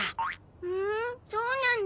ふーんそうなんだ。